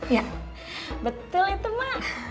iya betul itu ma